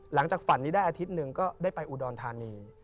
หลังจากฝันนี้ได้อาทิตย์หนึ่งก็ได้ไปอุดรธานี